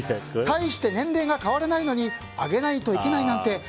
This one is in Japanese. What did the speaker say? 大して年齢が変わらないのにあげないといけないなんて。